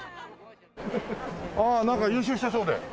ああなんか優勝したそうで。